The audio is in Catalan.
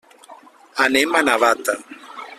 Anem a Navata.